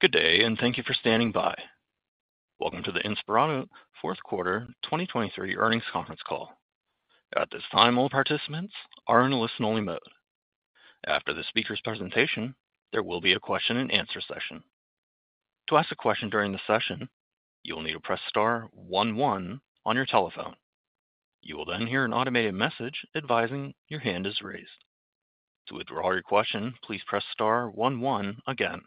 Good day, and thank you for standing by. Welcome to the Inspirato Fourth Quarter 2023 Earnings Conference Call. At this time, all participants are in a listen-only mode. After the speaker's presentation, there will be a question-and-answer session. To ask a question during the session, you'll need to press star 11 on your telephone. You will then hear an automated message advising your hand is raised. To withdraw your question, please press star 11 again.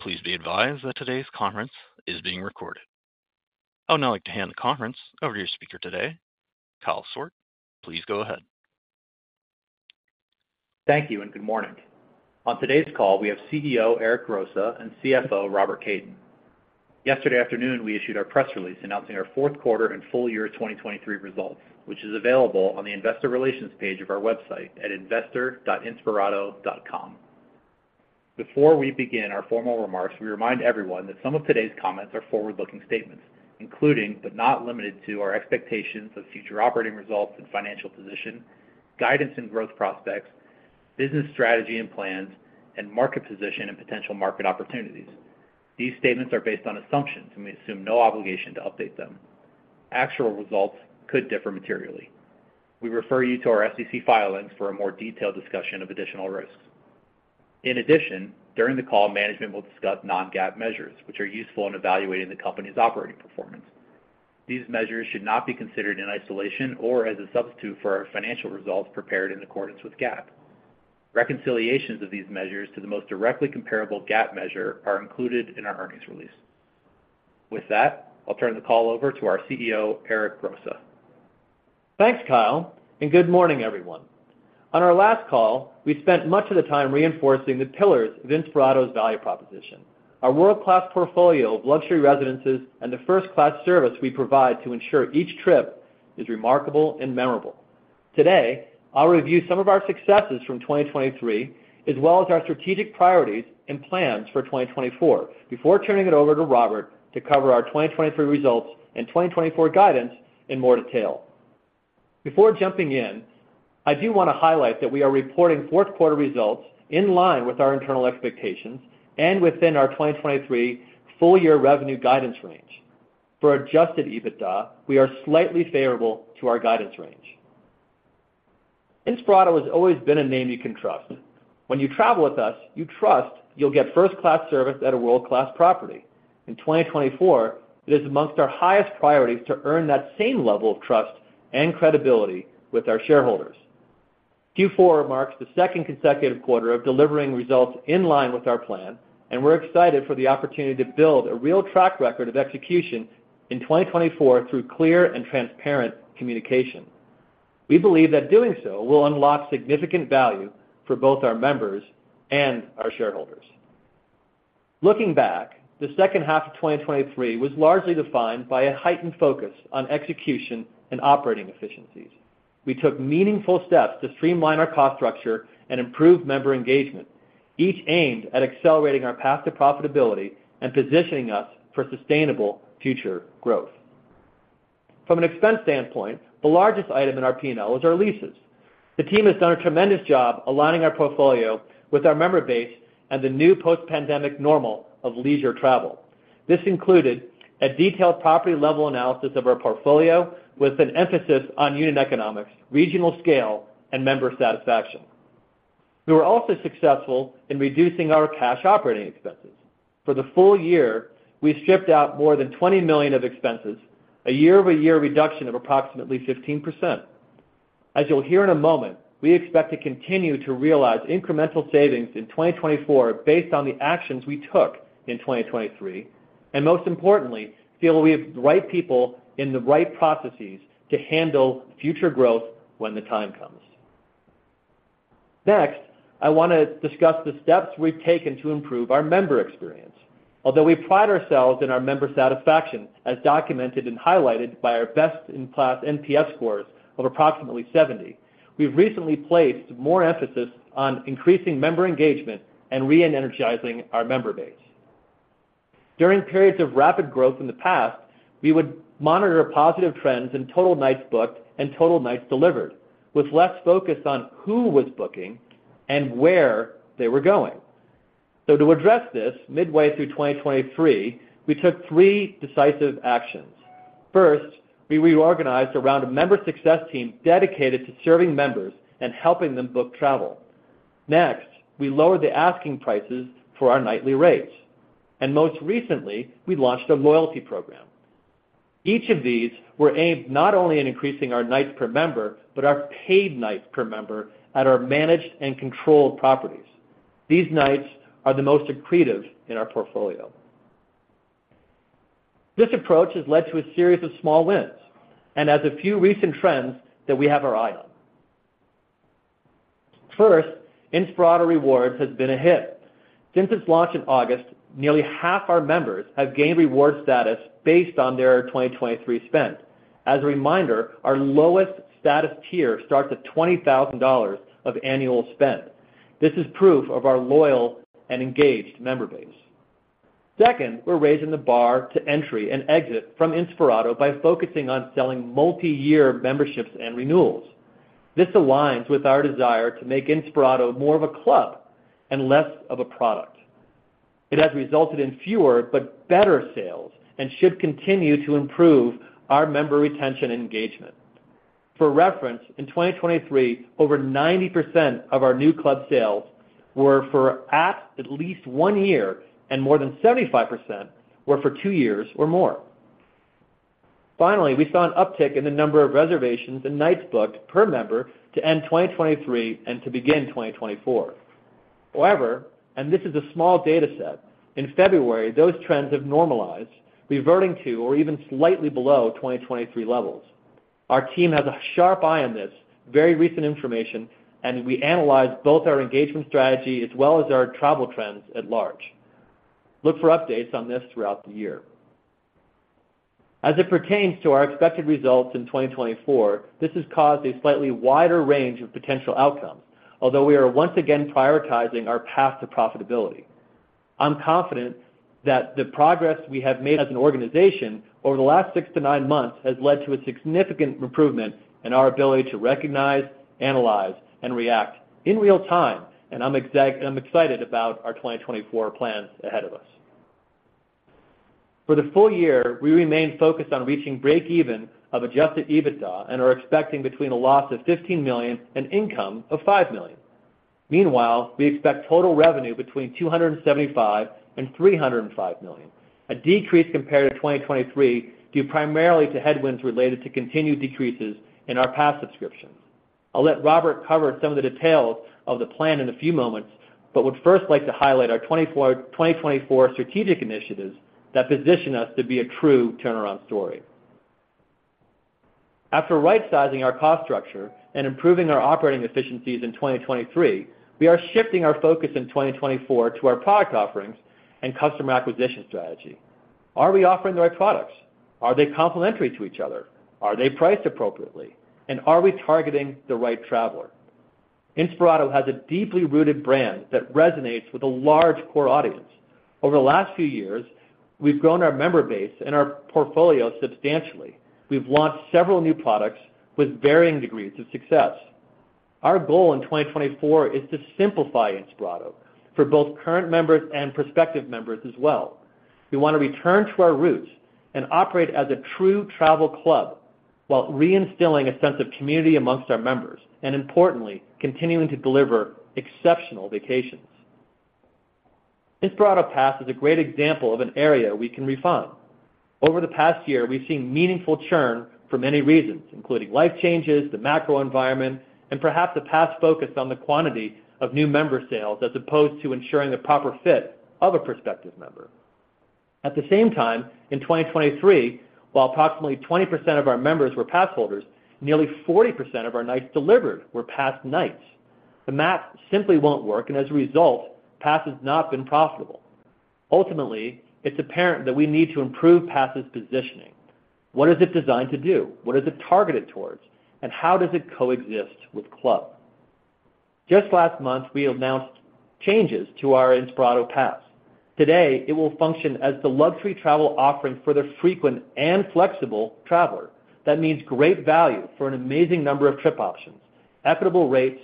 Please be advised that today's conference is being recorded. I would now like to hand the conference over to your speaker today, Kyle Sourk. Please go ahead. Thank you, and good morning. On today's call, we have CEO Eric Grosse and CFO Robert Kaiden. Yesterday afternoon, we issued our press release announcing our fourth quarter and full year 2023 results, which is available on the Investor Relations page of our website at investor.inspirato.com. Before we begin our formal remarks, we remind everyone that some of today's comments are forward-looking statements, including but not limited to our expectations of future operating results and financial position, guidance and growth prospects, business strategy and plans, and market position and potential market opportunities. These statements are based on assumptions, and we assume no obligation to update them. Actual results could differ materially. We refer you to our SEC filings for a more detailed discussion of additional risks. In addition, during the call, management will discuss non-GAAP measures, which are useful in evaluating the company's operating performance. These measures should not be considered in isolation or as a substitute for our financial results prepared in accordance with GAAP. Reconciliations of these measures to the most directly comparable GAAP measure are included in our earnings release. With that, I'll turn the call over to our CEO, Eric Grosse. Thanks, Kyle, and good morning, everyone. On our last call, we spent much of the time reinforcing the pillars of Inspirato's value proposition: our world-class portfolio of luxury residences and the first-class service we provide to ensure each trip is remarkable and memorable. Today, I'll review some of our successes from 2023 as well as our strategic priorities and plans for 2024 before turning it over to Robert to cover our 2023 results and 2024 guidance in more detail. Before jumping in, I do want to highlight that we are reporting fourth quarter results in line with our internal expectations and within our 2023 full-year revenue guidance range. For Adjusted EBITDA, we are slightly favorable to our guidance range. Inspirato has always been a name you can trust. When you travel with us, you trust you'll get first-class service at a world-class property. In 2024, it is among our highest priorities to earn that same level of trust and credibility with our shareholders. Q4 marks the second consecutive quarter of delivering results in line with our plan, and we're excited for the opportunity to build a real track record of execution in 2024 through clear and transparent communication. We believe that doing so will unlock significant value for both our members and our shareholders. Looking back, the second half of 2023 was largely defined by a heightened focus on execution and operating efficiencies. We took meaningful steps to streamline our cost structure and improve member engagement, each aimed at accelerating our path to profitability and positioning us for sustainable future growth. From an expense standpoint, the largest item in our P&L is our leases. The team has done a tremendous job aligning our portfolio with our member base and the new post-pandemic normal of leisure travel. This included a detailed property-level analysis of our portfolio with an emphasis on unit economics, regional scale, and member satisfaction. We were also successful in reducing our cash operating expenses. For the full year, we stripped out more than $20 million of expenses, a year-over-year reduction of approximately 15%. As you'll hear in a moment, we expect to continue to realize incremental savings in 2024 based on the actions we took in 2023 and, most importantly, feel we have the right people in the right processes to handle future growth when the time comes. Next, I want to discuss the steps we've taken to improve our member experience. Although we pride ourselves in our member satisfaction, as documented and highlighted by our best-in-class NPS scores of approximately 70, we've recently placed more emphasis on increasing member engagement and re-energizing our member base. During periods of rapid growth in the past, we would monitor positive trends in total nights booked and total nights delivered, with less focus on who was booking and where they were going. So to address this midway through 2023, we took three decisive actions. First, we reorganized around a member success team dedicated to serving members and helping them book travel. Next, we lowered the asking prices for our nightly rates, and most recently, we launched a loyalty program. Each of these were aimed not only in increasing our nights per member but our paid nights per member at our managed and controlled properties. These nights are the most accretive in our portfolio. This approach has led to a series of small wins and has a few recent trends that we have our eye on. First, Inspirato Rewards has been a hit. Since its launch in August, nearly half our members have gained reward status based on their 2023 spend. As a reminder, our lowest status tier starts at $20,000 of annual spends. This is proof of our loyal and engaged member base. Second, we're raising the bar to entry and exit from Inspirato by focusing on selling multi-year memberships and renewals. This aligns with our desire to make Inspirato more of a club and less of a product. It has resulted in fewer but better sales and should continue to improve our member retention and engagement. For reference, in 2023, over 90% of our new club sales were for at least one year, and more than 75% were for two years or more. Finally, we saw an uptick in the number of reservations and nights booked per member to end 2023 and to begin 2024. However, and this is a small data set, in February, those trends have normalized, reverting to or even slightly below 2023 levels. Our team has a sharp eye on this very recent information, and we analyze both our engagement strategy as well as our travel trends at large. Look for updates on this throughout the year. As it pertains to our expected results in 2024, this has caused a slightly wider range of potential outcomes, although we are once again prioritizing our path to profitability. I'm confident that the progress we have made as an organization over the last 6-9 months has led to a significant improvement in our ability to recognize, analyze, and react in real time, and I'm excited about our 2024 plans ahead of us. For the full year, we remain focused on reaching break-even of Adjusted EBITDA and are expecting between a loss of $15 million and income of $5 million. Meanwhile, we expect total revenue between $275 million and $305 million, a decrease compared to 2023 due primarily to headwinds related to continued decreases in our Pass subscriptions. I'll let Robert cover some of the details of the plan in a few moments, but would first like to highlight our 2024 strategic initiatives that position us to be a true turnaround story. After right-sizing our cost structure and improving our operating efficiencies in 2023, we are shifting our focus in 2024 to our product offerings and customer acquisition strategy. Are we offering the right products? Are they complementary to each other? Are they priced appropriately? And are we targeting the right traveler? Inspirato has a deeply rooted brand that resonates with a large core audience. Over the last few years, we've grown our member base and our portfolio substantially. We've launched several new products with varying degrees of success. Our goal in 2024 is to simplify Inspirato for both current members and prospective members as well. We want to return to our roots and operate as a true travel club while reinstilling a sense of community amongst our members and, importantly, continuing to deliver exceptional vacations. Inspirato Pass is a great example of an area we can refine. Over the past year, we've seen meaningful churn for many reasons, including life changes, the macro environment, and perhaps a past focus on the quantity of new member sales as opposed to ensuring the proper fit of a prospective member. At the same time, in 2023, while approximately 20% of our members were Pass holders, nearly 40% of our nights delivered were Pass nights. The math simply won't work, and as a result, Pass has not been profitable. Ultimately, it's apparent that we need to improve Pass's positioning. What is it designed to do? What is it targeted towards? And how does it coexist with club? Just last month, we announced changes to our Inspirato Pass. Today, it will function as the luxury travel offering for the frequent and flexible traveler. That means great value for an amazing number of trip options, equitable rates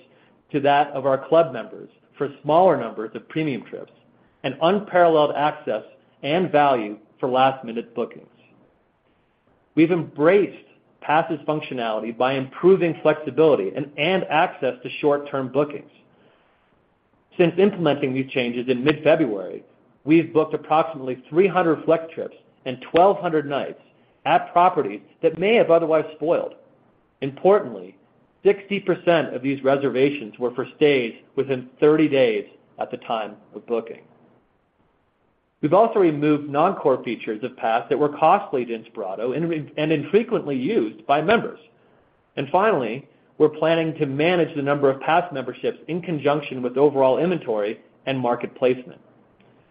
to that of our club members for smaller numbers of premium trips, and unparalleled access and value for last-minute bookings. We've embraced Pass's functionality by improving flexibility and access to short-term bookings. Since implementing these changes in mid-February, we've booked approximately 300 Flex Trips and 1,200 nights at properties that may have otherwise spoiled. Importantly, 60% of these reservations were for stays within 30 days at the time of booking. We've also removed non-core features of Pass that were costly to Inspirato and infrequently used by members. And finally, we're planning to manage the number of Pass memberships in conjunction with overall inventory and market placement.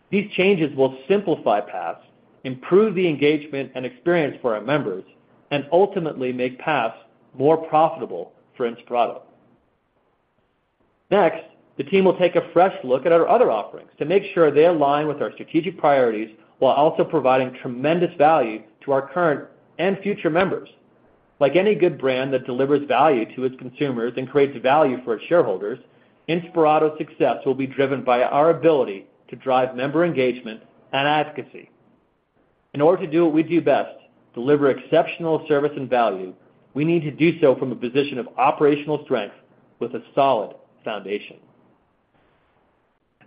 These changes will simplify Pass, improve the engagement and experience for our members, and ultimately make Pass more profitable for Inspirato. Next, the team will take a fresh look at our other offerings to make sure they align with our strategic priorities while also providing tremendous value to our current and future members. Like any good brand that delivers value to its consumers and creates value for its shareholders, Inspirato's success will be driven by our ability to drive member engagement and advocacy. In order to do what we do best, deliver exceptional service and value, we need to do so from a position of operational strength with a solid foundation.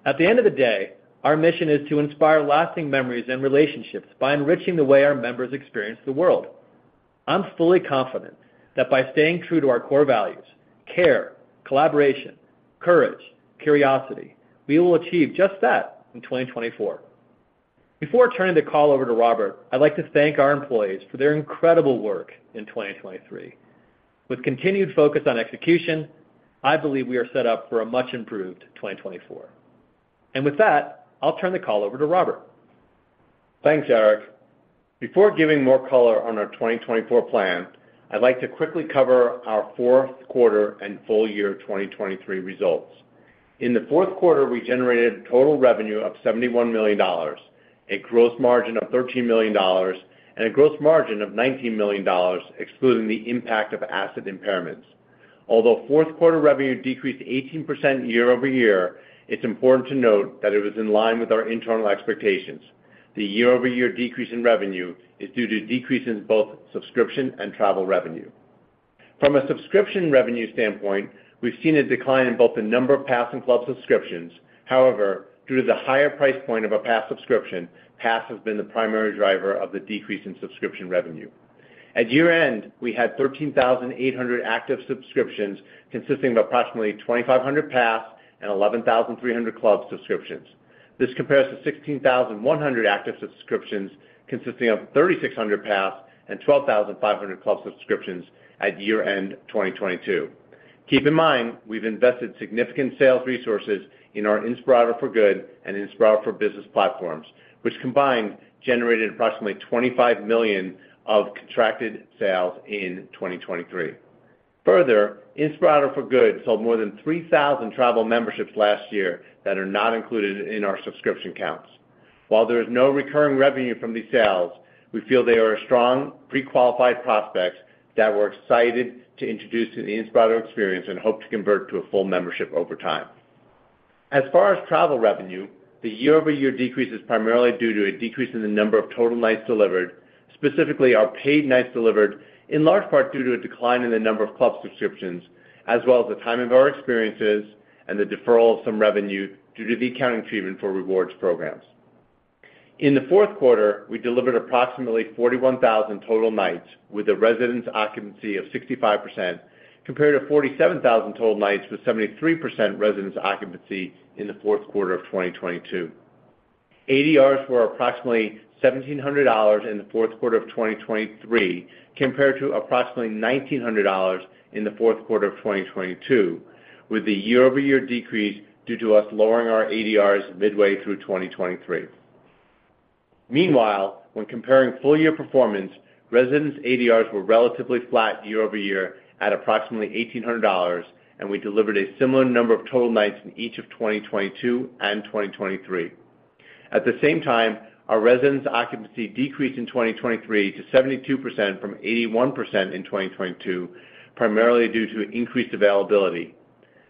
At the end of the day, our mission is to inspire lasting memories and relationships by enriching the way our members experience the world. I'm fully confident that by staying true to our core values - care, collaboration, courage, curiosity - we will achieve just that in 2024. Before turning the call over to Robert, I'd like to thank our employees for their incredible work in 2023. With continued focus on execution, I believe we are set up for a much-improved 2024. With that, I'll turn the call over to Robert. Thanks, Eric. Before giving more color on our 2024 plan, I'd like to quickly cover our fourth quarter and full-year 2023 results. In the fourth quarter, we generated total revenue of $71 million, a gross margin of $13 million, and a gross margin of $19 million excluding the impact of asset impairments. Although fourth quarter revenue decreased 18% year over year, it's important to note that it was in line with our internal expectations. The year-over-year decrease in revenue is due to decreases in both subscription and travel revenue. From a subscription revenue standpoint, we've seen a decline in both the number of Inspirato Pass and Inspirato Club subscriptions. However, due to the higher price point of an Inspirato Pass subscription, Inspirato Pass has been the primary driver of the decrease in subscription revenue. At year-end, we had 13,800 active subscriptions consisting of approximately 2,500 Inspirato Passes and 11,300 Inspirato Club subscriptions. This compares to 16,100 active subscriptions consisting of 3,600 Passes and 12,500 Club subscriptions at year-end 2022. Keep in mind, we've invested significant sales resources in our Inspirato for Good and Inspirato for Business platforms, which combined generated approximately $25 million of contracted sales in 2023. Further, Inspirato for Good sold more than 3,000 travel memberships last year that are not included in our subscription counts. While there is no recurring revenue from these sales, we feel they are strong pre-qualified prospects that we're excited to introduce to the Inspirato experience and hope to convert to a full membership over time. As far as travel revenue, the year-over-year decrease is primarily due to a decrease in the number of total nights delivered, specifically our paid nights delivered, in large part due to a decline in the number of club subscriptions as well as the time of our experiences and the deferral of some revenue due to the accounting treatment for rewards programs. In the fourth quarter, we delivered approximately 41,000 total nights with a residence occupancy of 65% compared to 47,000 total nights with 73% residence occupancy in the fourth quarter of 2022. ADRs were approximately $1,700 in the fourth quarter of 2023 compared to approximately $1,900 in the fourth quarter of 2022, with the year-over-year decrease due to us lowering our ADRs midway through 2023. Meanwhile, when comparing full-year performance, residence ADRs were relatively flat year-over-year at approximately $1,800, and we delivered a similar number of total nights in each of 2022 and 2023. At the same time, our residence occupancy decreased in 2023 to 72% from 81% in 2022, primarily due to increased availability.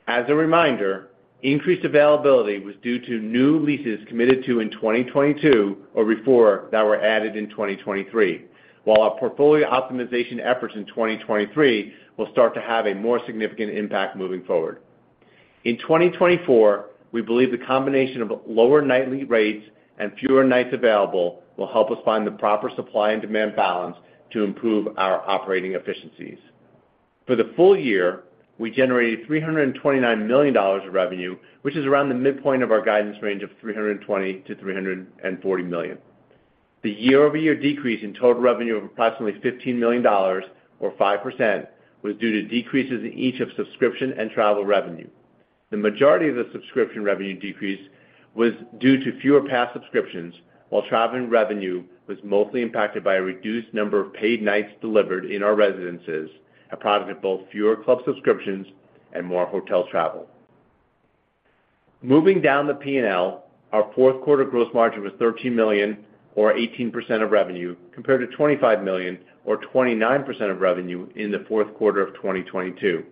As a reminder, increased availability was due to new leases committed to in 2022 or before that were added in 2023, while our portfolio optimization efforts in 2023 will start to have a more significant impact moving forward. In 2024, we believe the combination of lower nightly rates and fewer nights available will help us find the proper supply and demand balance to improve our operating efficiencies. For the full year, we generated $329 million of revenue, which is around the midpoint of our guidance range of $320 million-$340 million. The year-over-year decrease in total revenue of approximately $15 million or 5% was due to decreases in each of subscription and travel revenue. The majority of the subscription revenue decrease was due to fewer Pass subscriptions, while travel revenue was mostly impacted by a reduced number of paid nights delivered in our residences, a product of both fewer club subscriptions and more hotel travel. Moving down the P&L, our fourth quarter gross margin was $13 million or 18% of revenue compared to $25 million or 29% of revenue in the fourth quarter of 2022.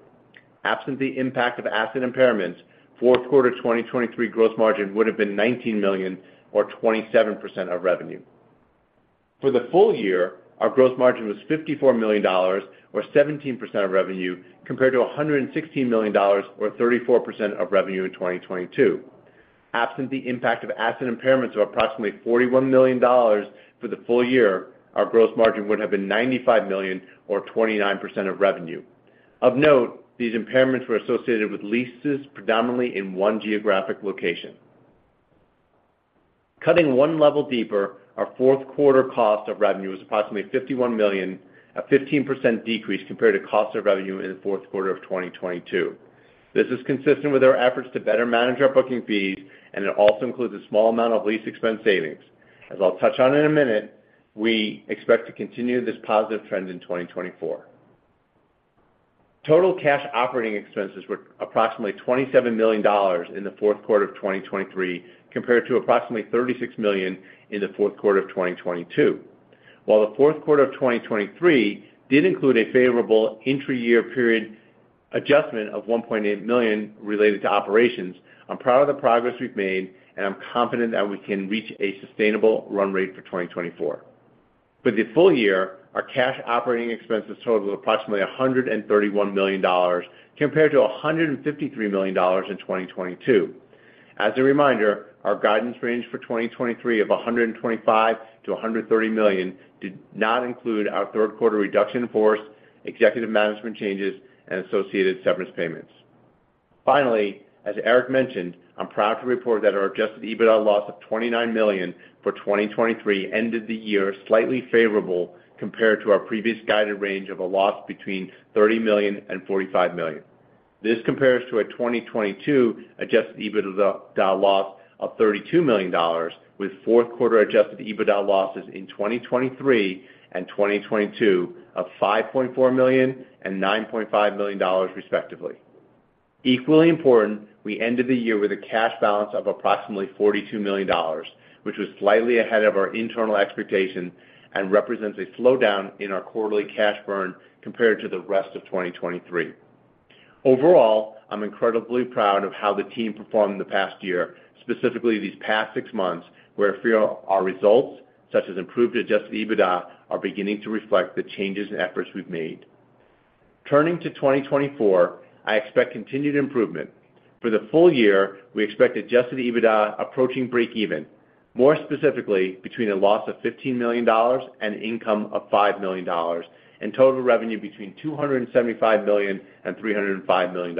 Absent the impact of asset impairments, fourth quarter 2023 gross margin would have been $19 million or 27% of revenue. For the full year, our gross margin was $54 million or 17% of revenue compared to $116 million or 34% of revenue in 2022. Absent the impact of asset impairments of approximately $41 million for the full year, our gross margin would have been $95 million or 29% of revenue. Of note, these impairments were associated with leases predominantly in one geographic location. Cutting one level deeper, our fourth quarter cost of revenue was approximately $51 million, a 15% decrease compared to cost of revenue in the fourth quarter of 2022. This is consistent with our efforts to better manage our booking fees, and it also includes a small amount of lease expense savings. As I'll touch on in a minute, we expect to continue this positive trend in 2024. Total cash operating expenses were approximately $27 million in the fourth quarter of 2023 compared to approximately $36 million in the fourth quarter of 2022. While the fourth quarter of 2023 did include a favorable entry-year period adjustment of $1.8 million related to operations, I'm proud of the progress we've made, and I'm confident that we can reach a sustainable run rate for 2024. For the full year, our cash operating expenses totaled approximately $131 million compared to $153 million in 2022. As a reminder, our guidance range for 2023 of $125 million-$130 million did not include our third quarter reduction enforced, executive management changes, and associated severance payments. Finally, as Eric mentioned, I'm proud to report that our Adjusted EBITDA loss of $29 million for 2023 ended the year slightly favorable compared to our previous guided range of a loss between $30 million and $45 million. This compares to a 2022 adjusted EBITDA loss of $32 million, with fourth quarter adjusted EBITDA losses in 2023 and 2022 of $5.4 million and $9.5 million, respectively. Equally important, we ended the year with a cash balance of approximately $42 million, which was slightly ahead of our internal expectations and represents a slowdown in our quarterly cash burn compared to the rest of 2023. Overall, I'm incredibly proud of how the team performed the past year, specifically these past six months, where our results, such as improved adjusted EBITDA, are beginning to reflect the changes and efforts we've made. Turning to 2024, I expect continued improvement. For the full year, we expect adjusted EBITDA approaching break-even, more specifically between a loss of $15 million and an income of $5 million, and total revenue between $275 million and $305 million.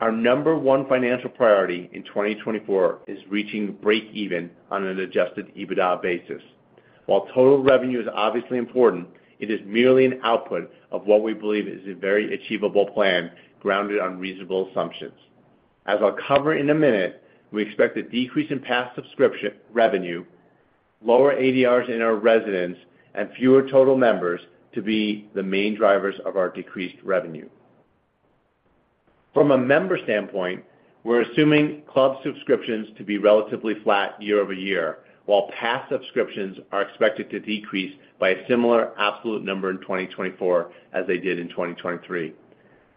Our number one financial priority in 2024 is reaching break-even on an Adjusted EBITDA basis. While total revenue is obviously important, it is merely an output of what we believe is a very achievable plan grounded on reasonable assumptions. As I'll cover in a minute, we expect a decrease in Inspirato Pass subscription revenue, lower ADRs in our residences, and fewer total members to be the main drivers of our decreased revenue. From a member standpoint, we're assuming club subscriptions to be relatively flat year-over-year, while Inspirato Pass subscriptions are expected to decrease by a similar absolute number in 2024 as they did in 2023.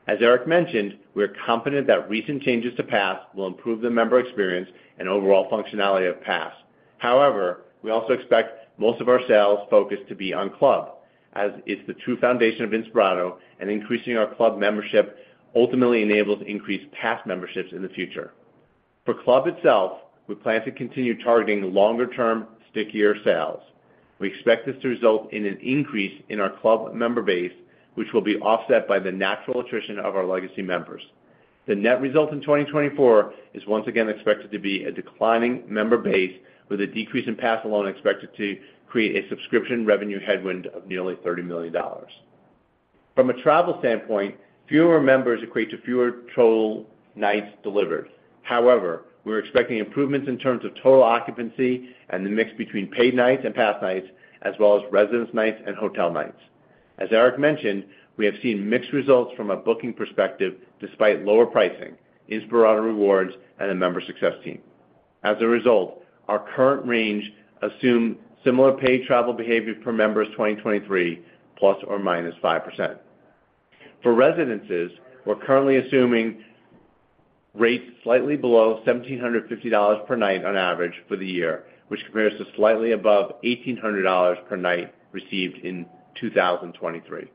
As Eric mentioned, we're confident that recent changes to Inspirato Pass will improve the member experience and overall functionality of Inspirato Pass. However, we also expect most of our sales focus to be on Club, as it's the true foundation of Inspirato, and increasing our Club membership ultimately enables increased Pass memberships in the future. For Club itself, we plan to continue targeting longer-term, stickier sales. We expect this to result in an increase in our Club member base, which will be offset by the natural attrition of our legacy members. The net result in 2024 is once again expected to be a declining member base, with a decrease in Pass alone expected to create a subscription revenue headwind of nearly $30 million. From a travel standpoint, fewer members equate to fewer total nights delivered. However, we're expecting improvements in terms of total occupancy and the mix between paid nights and Pass nights, as well as residence nights and hotel nights. As Eric mentioned, we have seen mixed results from a booking perspective despite lower pricing, Inspirato Rewards, and the member success team. As a result, our current range assumes similar paid travel behavior per member in 2023, ±5%. For residences, we're currently assuming rates slightly below $1,750 per night on average for the year, which compares to slightly above $1,800 per night received in 2023.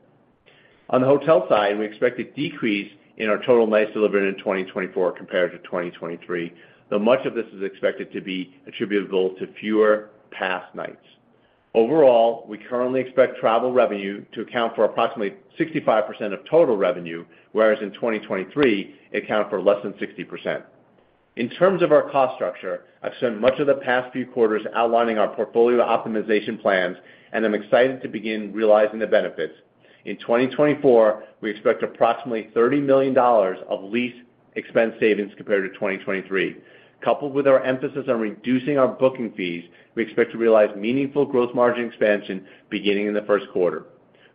On the hotel side, we expect a decrease in our total nights delivered in 2024 compared to 2023, though much of this is expected to be attributable to fewer Pass nights. Overall, we currently expect travel revenue to account for approximately 65% of total revenue, whereas in 2023, it accounted for less than 60%. In terms of our cost structure, I've spent much of the past few quarters outlining our portfolio optimization plans, and I'm excited to begin realizing the benefits. In 2024, we expect approximately $30 million of lease expense savings compared to 2023. Coupled with our emphasis on reducing our booking fees, we expect to realize meaningful gross margin expansion beginning in the first quarter.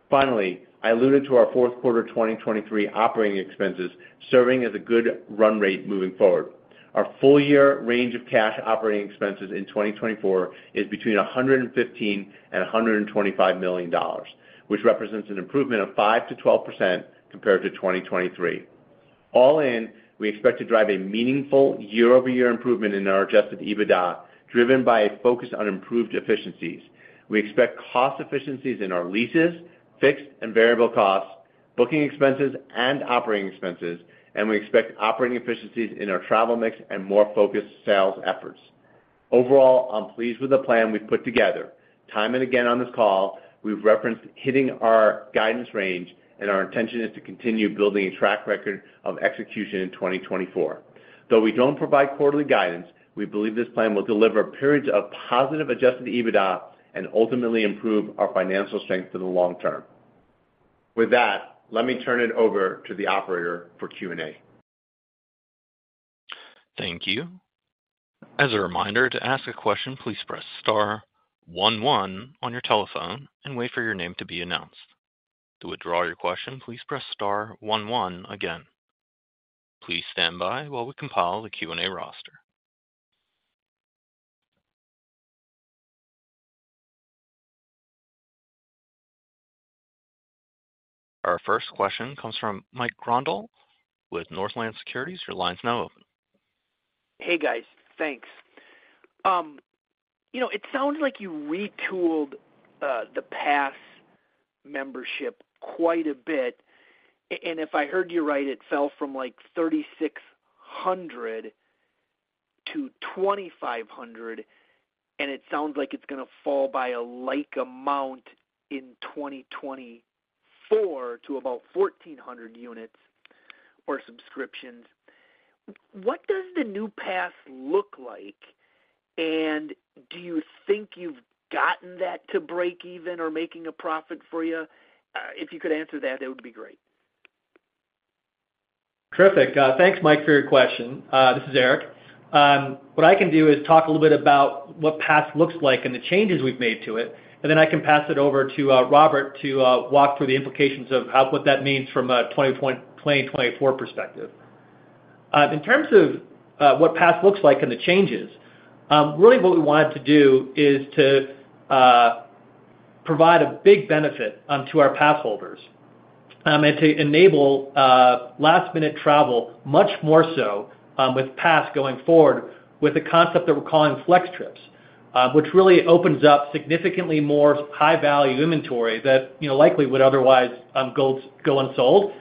Finally, I alluded to our fourth quarter 2023 operating expenses serving as a good run rate moving forward. Our full-year range of cash operating expenses in 2024 is between $115 million and $125 million, which represents an improvement of 5%-12% compared to 2023. All in, we expect to drive a meaningful year-over-year improvement in our Adjusted EBITDA, driven by a focus on improved efficiencies. We expect cost efficiencies in our leases, fixed and variable costs, booking expenses, and operating expenses, and we expect operating efficiencies in our travel mix and more focused sales efforts. Overall, I'm pleased with the plan we've put together. Time and again on this call, we've referenced hitting our guidance range, and our intention is to continue building a track record of execution in 2024. Though we don't provide quarterly guidance, we believe this plan will deliver periods of positive Adjusted EBITDA and ultimately improve our financial strength in the long term. With that, let me turn it over to the operator for Q&A. Thank you. As a reminder, to ask a question, please press star 11 on your telephone and wait for your name to be announced. To withdraw your question, please press star 11 again. Please stand by while we compile the Q&A roster. Our first question comes from Mike Grondahl with Northland Securities. Your line's now open. Hey guys, thanks. It sounds like you retooled the Inspirato Pass membership quite a bit, and if I heard you right, it fell from 3,600 to 2,500, and it sounds like it's going to fall by a like amount in 2024 to about 1,400 units or subscriptions. What does the new Inspirato Pass look like, and do you think you've gotten that to break-even or making a profit for you? If you could answer that, that would be great. Terrific. Thanks, Mike, for your question. This is Eric. What I can do is talk a little bit about what Pass looks like and the changes we've made to it, and then I can pass it over to Robert to walk through the implications of what that means from a 2024 perspective. In terms of what Pass looks like and the changes, really what we wanted to do is to provide a big benefit to our Pass holders and to enable last-minute travel much more so with Pass going forward with a concept that we're calling Flex Trips, which really opens up significantly more high-value inventory that likely would otherwise go unsold.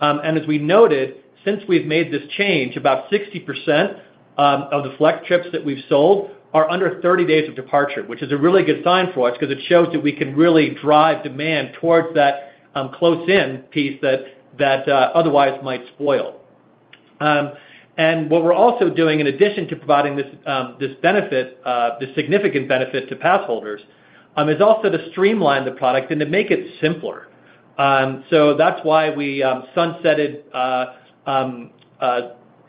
As we noted, since we've made this change, about 60% of the Flex Trips that we've sold are under 30 days of departure, which is a really good sign for us because it shows that we can really drive demand towards that close-in piece that otherwise might spoil. What we're also doing, in addition to providing this significant benefit to Inspirato Pass holders, is also to streamline the product and to make it simpler. That's why we sunsetted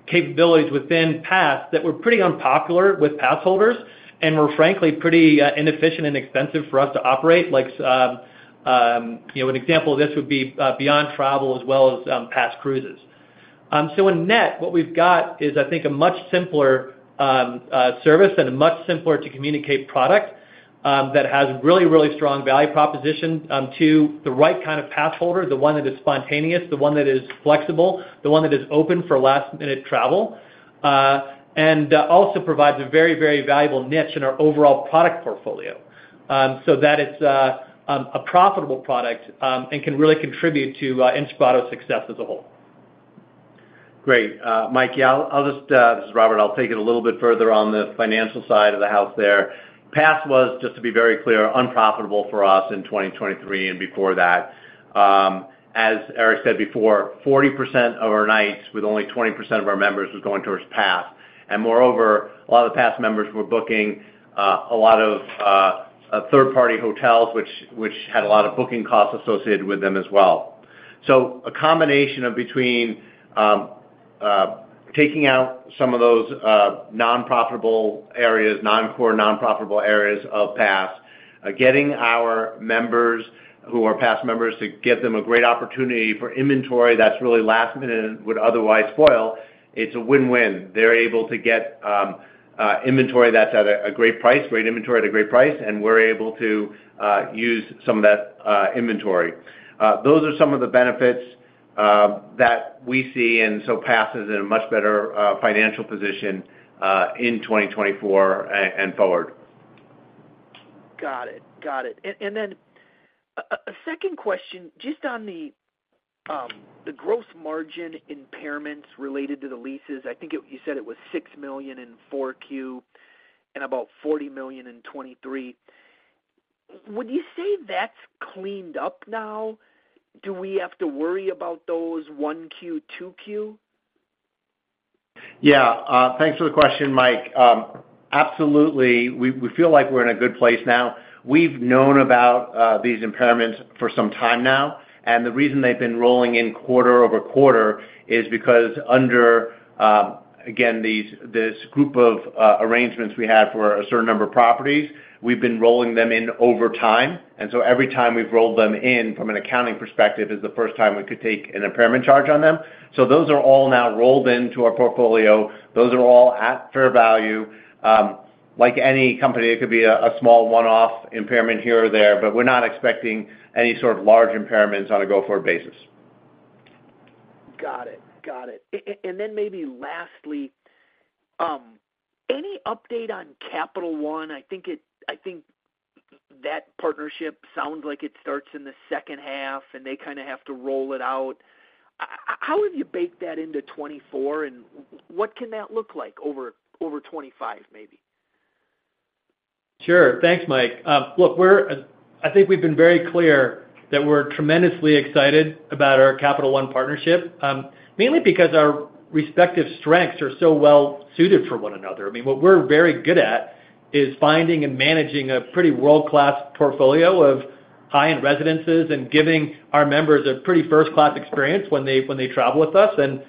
capabilities within Inspirato Pass that were pretty unpopular with Inspirato Pass holders and were, frankly, pretty inefficient and expensive for us to operate. An example of this would be Beyond Travel as well as Inspirato Cruises. In net, what we've got is, I think, a much simpler service and a much simpler-to-communicate product that has really, really strong value proposition to the right kind of Pass holder, the one that is spontaneous, the one that is flexible, the one that is open for last-minute travel, and also provides a very, very valuable niche in our overall product portfolio so that it's a profitable product and can really contribute to Inspirato's success as a whole. Great. Mike, yeah, this is Robert. I'll take it a little bit further on the financial side of the house there. Path was, just to be very clear, unprofitable for us in 2023 and before that. As Eric said before, 40% of our nights with only 20% of our members was going towards Path. And moreover, a lot of the Path members were booking a lot of third-party hotels, which had a lot of booking costs associated with them as well. So a combination of between taking out some of those nonprofitable areas, non-core nonprofitable areas of Path, getting our members who are Path members to get them a great opportunity for inventory that's really last-minute and would otherwise spoil, it's a win-win. They're able to get inventory that's at a great price, great inventory at a great price, and we're able to use some of that inventory. Those are some of the benefits that we see, and so Inspirato Pass is in a much better financial position in 2024 and forward. Got it. Got it. And then a second question, just on the gross margin impairments related to the leases, I think you said it was $6 million in 4Q and about $40 million in 2023. Would you say that's cleaned up now? Do we have to worry about those 1Q, 2Q? Yeah. Thanks for the question, Mike. Absolutely. We feel like we're in a good place now. We've known about these impairments for some time now, and the reason they've been rolling in quarter-over-quarter is because, again, this group of arrangements we had for a certain number of properties, we've been rolling them in over time. And so every time we've rolled them in, from an accounting perspective, is the first time we could take an impairment charge on them. So those are all now rolled into our portfolio. Those are all at fair value. Like any company, it could be a small one-off impairment here or there, but we're not expecting any sort of large impairments on a go-forward basis. Got it. Got it. And then maybe lastly, any update on Capital One? I think that partnership sounds like it starts in the second half, and they kind of have to roll it out. How have you baked that into 2024, and what can that look like over 2025 maybe? Sure. Thanks, Mike. Look, I think we've been very clear that we're tremendously excited about our Capital One partnership, mainly because our respective strengths are so well-suited for one another. I mean, what we're very good at is finding and managing a pretty world-class portfolio of high-end residences and giving our members a pretty first-class experience when they travel with us. And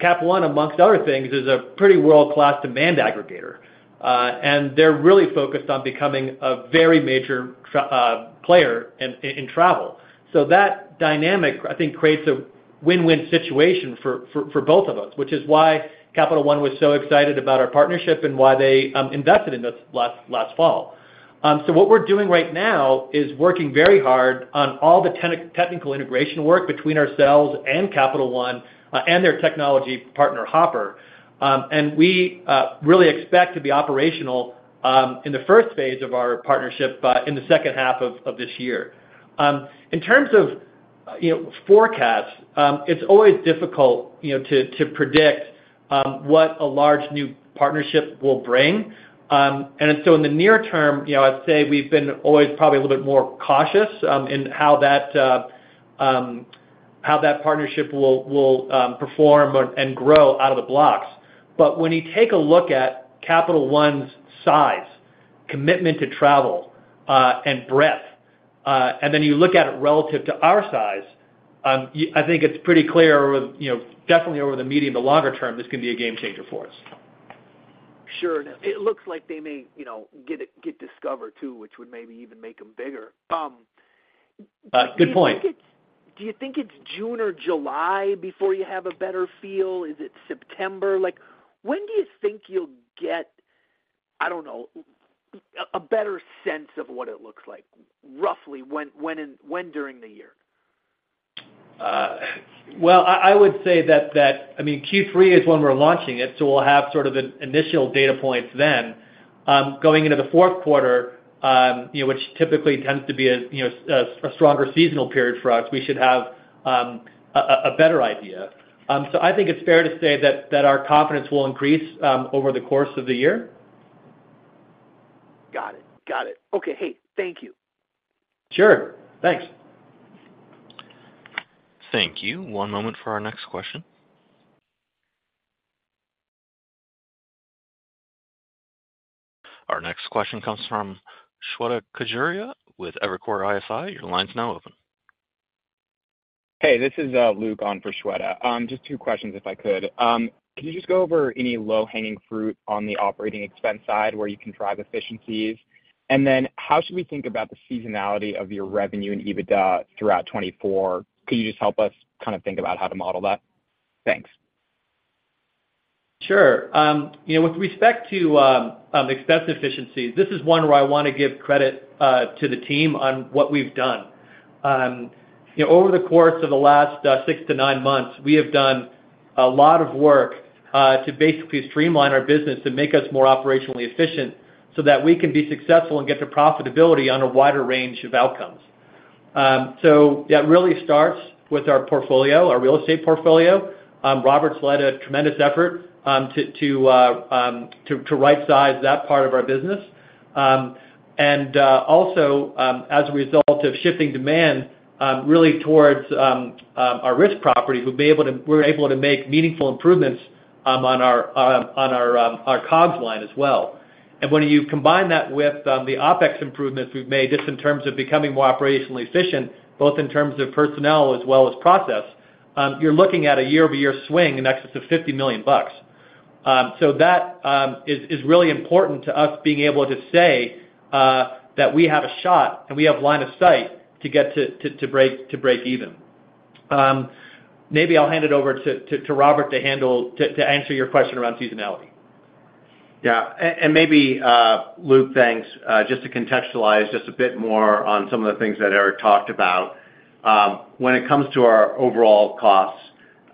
Capital One, amongst other things, is a pretty world-class demand aggregator, and they're really focused on becoming a very major player in travel. So that dynamic, I think, creates a win-win situation for both of us, which is why Capital One was so excited about our partnership and why they invested in us last fall. So what we're doing right now is working very hard on all the technical integration work between ourselves and Capital One and their technology partner, Hopper. We really expect to be operational in the first phase of our partnership in the second half of this year. In terms of forecasts, it's always difficult to predict what a large new partnership will bring. And so in the near term, I'd say we've been always probably a little bit more cautious in how that partnership will perform and grow out of the blocks. But when you take a look at Capital One's size, commitment to travel, and breadth, and then you look at it relative to our size, I think it's pretty clear, definitely over the medium to longer term, this can be a game-changer for us. Sure. It looks like they may get discovered too, which would maybe even make them bigger. Do you think it's June or July before you have a better feel? Is it September? When do you think you'll get, I don't know, a better sense of what it looks like, roughly when during the year? Well, I would say that, I mean, Q3 is when we're launching it, so we'll have sort of initial data points then. Going into the fourth quarter, which typically tends to be a stronger seasonal period for us, we should have a better idea. So I think it's fair to say that our confidence will increase over the course of the year. Got it. Got it. Okay. Hey, thank you. Sure. Thanks. Thank you. One moment for our next question. Our next question comes from Shweta Khajuria with Evercore ISI. Your line's now open. Hey, this is Luke on for Shweta. Just two questions, if I could. Can you just go over any low-hanging fruit on the operating expense side where you can drive efficiencies? And then how should we think about the seasonality of your revenue and EBITDA throughout 2024? Could you just help us kind of think about how to model that? Thanks. Sure. With respect to expense efficiencies, this is one where I want to give credit to the team on what we've done. Over the course of the last 6-9 months, we have done a lot of work to basically streamline our business and make us more operationally efficient so that we can be successful and get to profitability on a wider range of outcomes. So that really starts with our portfolio, our real estate portfolio. Robert's led a tremendous effort to right-size that part of our business. And also, as a result of shifting demand really towards our risk property, we've been able to make meaningful improvements on our COGS line as well. When you combine that with the OPEX improvements we've made just in terms of becoming more operationally efficient, both in terms of personnel as well as process, you're looking at a year-over-year swing in excess of $50 million. That is really important to us, being able to say that we have a shot and we have line of sight to get to break-even. Maybe I'll hand it over to Robert to answer your question around seasonality. Yeah. Maybe, Luke, thanks, just to contextualize just a bit more on some of the things that Eric talked about. When it comes to our overall costs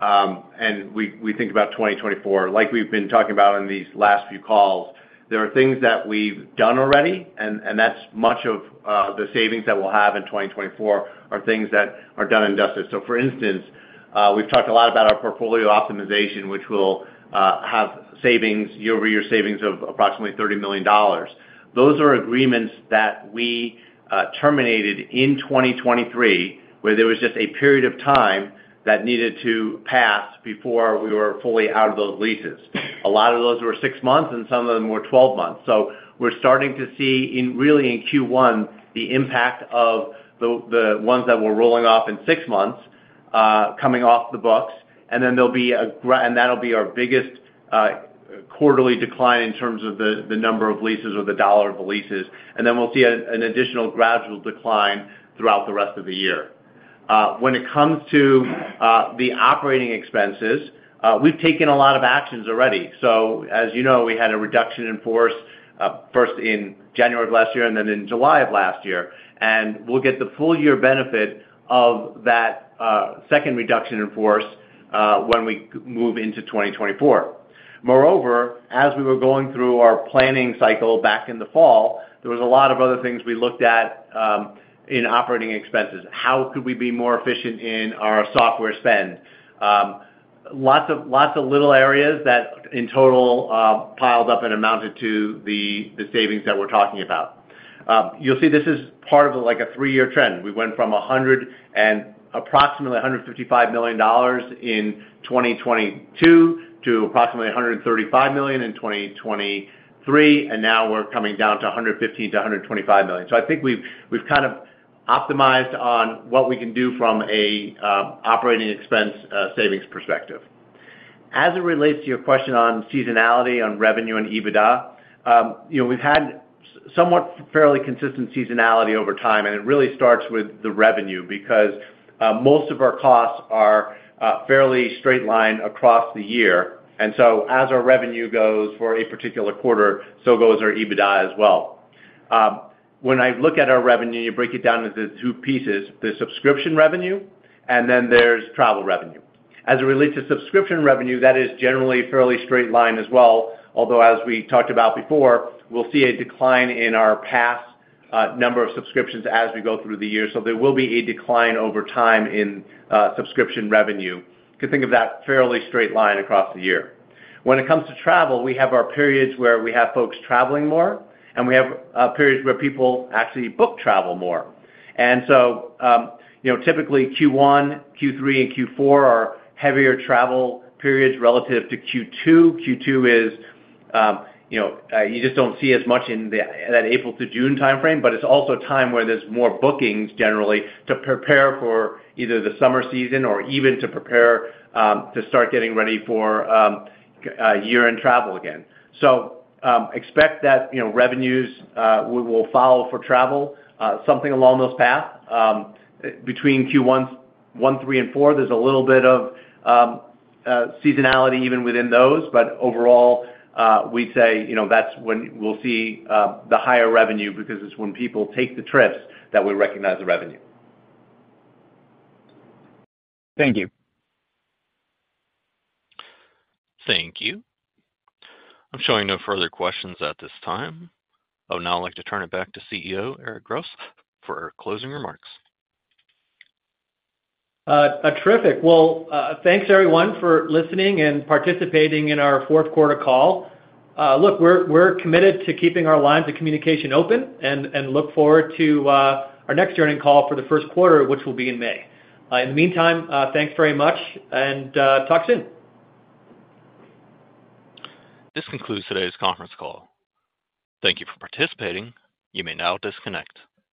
and we think about 2024, like we've been talking about in these last few calls, there are things that we've done already, and that's much of the savings that we'll have in 2024 are things that are done and dusted. So, for instance, we've talked a lot about our portfolio optimization, which will have year-over-year savings of approximately $30 million. Those are agreements that we terminated in 2023 where there was just a period of time that needed to pass before we were fully out of those leases. A lot of those were six months, and some of them were 12 months. So we're starting to see, really, in Q1, the impact of the ones that we're rolling off in six months coming off the books. And then there'll be and that'll be our biggest quarterly decline in terms of the number of leases or the dollar of the leases. And then we'll see an additional gradual decline throughout the rest of the year. When it comes to the operating expenses, we've taken a lot of actions already. So, as you know, we had a reduction enforced first in January of last year and then in July of last year. And we'll get the full-year benefit of that second reduction enforced when we move into 2024. Moreover, as we were going through our planning cycle back in the fall, there was a lot of other things we looked at in operating expenses. How could we be more efficient in our software spend? Lots of little areas that, in total, piled up and amounted to the savings that we're talking about. You'll see this is part of a three-year trend. We went from approximately $155 million in 2022 to approximately $135 million in 2023, and now we're coming down to $115-$125 million. So I think we've kind of optimized on what we can do from an operating expense savings perspective. As it relates to your question on seasonality, on revenue and EBITDA, we've had somewhat fairly consistent seasonality over time, and it really starts with the revenue because most of our costs are fairly straight-line across the year. So as our revenue goes for a particular quarter, so goes our EBITDA as well. When I look at our revenue, you break it down into two pieces. There's subscription revenue, and then there's travel revenue. As it relates to subscription revenue, that is generally fairly straight-line as well, although, as we talked about before, we'll see a decline in our Pass number of subscriptions as we go through the year. So there will be a decline over time in subscription revenue. You can think of that fairly straight-line across the year. When it comes to travel, we have our periods where we have folks traveling more, and we have periods where people actually book travel more. And so typically, Q1, Q3, and Q4 are heavier travel periods relative to Q2. Q2 is you just don't see as much in that April to June timeframe, but it's also time where there's more bookings, generally, to prepare for either the summer season or even to prepare to start getting ready for year-end travel again. So expect that revenues will follow for travel, something along those paths. Between Q1, Q1, Q3, and Q4, there's a little bit of seasonality even within those, but overall, we'd say that's when we'll see the higher revenue because it's when people take the trips that we recognize the revenue. Thank you. Thank you. I'm showing no further questions at this time. Oh, now I'd like to turn it back to CEO Eric Grosse for closing remarks. Terrific. Well, thanks, everyone, for listening and participating in our fourth quarter call. Look, we're committed to keeping our lines of communication open and look forward to our next year-end call for the first quarter, which will be in May. In the meantime, thanks very much, and talk soon. This concludes today's conference call. Thank you for participating. You may now disconnect.